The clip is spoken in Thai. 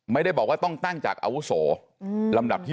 ไม่ได้บอกว่าต้องตั้งจากอาวุโสลำดับที่๓